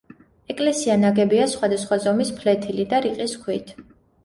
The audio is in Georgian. ეკლესია ნაგებია სხვადასხვა ზომის ფლეთილი და რიყის ქვით.